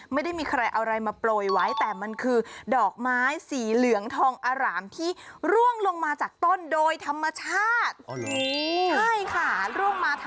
ไม่ธรรมดาเลยน่า